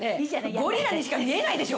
ゴリラにしか見えないでしょ。